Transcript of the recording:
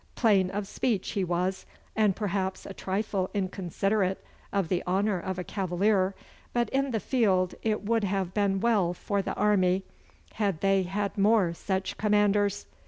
Plain of speech he was, and perhaps a trifle inconsiderate of the honour of a cavalier, but in the field it would have been well for the army had they had more such commanders.